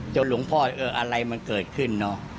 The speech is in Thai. หลวงพ่อเอออะไรมันเกิดขึ้นเนอะ